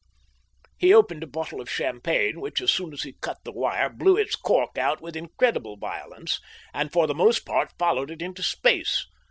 He opened a bottle of champagne, which, as soon as he cut the wire, blew its cork out with incredible violence, and for the most part followed it into space.